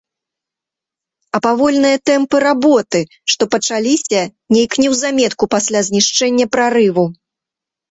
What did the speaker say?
А павольныя тэмпы работы, што пачаліся нейк неўзаметку пасля знішчэння прарыву?